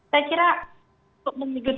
saya kira cukup menghidupkan